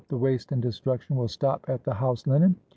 ^ 247 the waste and destruction will stop at the house linen.